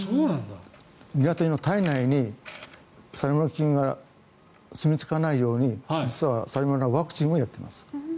ニワトリの体内にサルモネラ菌がすみ着かないように実はサルモネラはワクチンをやってます。